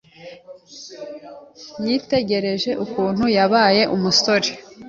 yitegereje ukuntu yabaye umusore